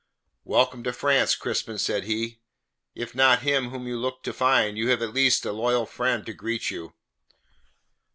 "Welcome to France, Crispin," said he. "If not him whom you looked to find, you have at least a loyal friend to greet you."